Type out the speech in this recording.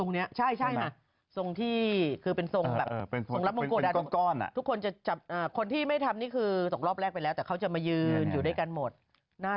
มีภาพใช่ไหมจะได้เป็นกำลังใจไม่มีภาพแต่ว่าเค้าเคยอ้วน